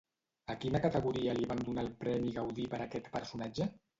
A quina categoria li van donar el premi Gaudí per aquest personatge?